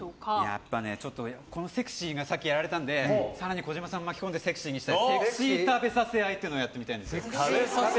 やっぱね、セクシーにさっきやられたので更に児嶋さん巻き込んでセクシーにしたいセクシー食べさせ合いやりたいんですよ。